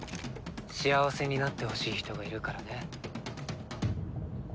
幸せになってほしい人がいるからね。